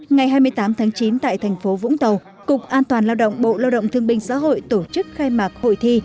ngày hai mươi tám tháng chín tại thành phố vũng tàu cục an toàn lao động bộ lao động thương binh xã hội tổ chức khai mạc hội thi